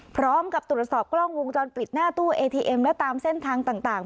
พร้อมกับตรวจสอบกล้องวงจรปิดหน้าตู้เอทีเอ็มและตามเส้นทางต่าง